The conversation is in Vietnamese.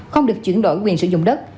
không được chuyển đổi quyền sử dụng đất